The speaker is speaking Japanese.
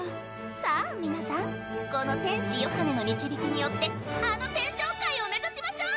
さあ皆さんこの天使ヨハネの導きによってあの天上界を目指しましょう！